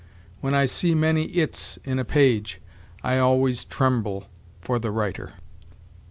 When I see many its in a page, I always tremble for the writer."